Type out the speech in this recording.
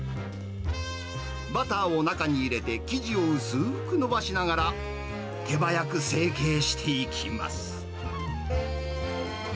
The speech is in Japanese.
バターを中に入れて生地を薄ーく伸ばしながら、手早く成形していきます。